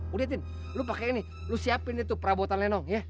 udah tin lu pake ini lu siapin tuh perabotan lenong ya